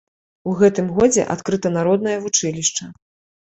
У гэтым годзе адкрыта народнае вучылішча.